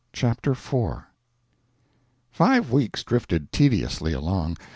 CHAPTER IV Five weeks drifted tediously along.